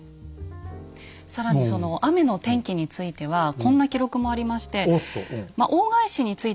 更にその雨の天気についてはこんな記録もありまして。